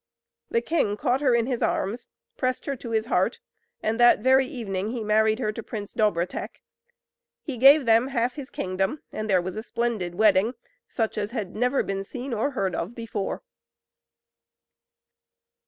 The king caught her in his arms, pressed her to his heart, and that very evening he married her to Prince Dobrotek. He gave them half his kingdom, and there was a splendid wedding, such as had never been seen or heard of before.